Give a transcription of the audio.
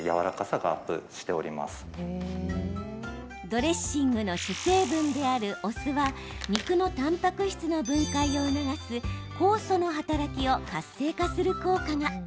ドレッシングの主成分であるお酢には肉のたんぱく質の分解を促す酵素の働きを活性化する効果が。